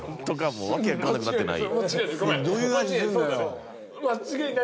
もう訳わからなくなってない？